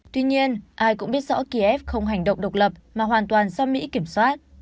tuy nhiên ai cũng biết rõ kiev không hành động độc lập mà hoàn toàn do mỹ kiểm soát